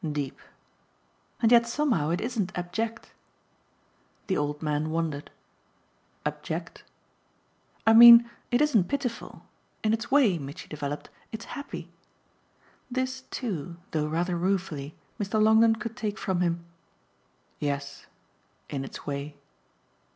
"Deep." "And yet somehow it isn't abject." The old man wondered. "'Abject'?" "I mean it isn't pitiful. In its way," Mitchy developed, "it's happy." This too, though rather ruefully, Mr. Longdon could take from him. "Yes in its way."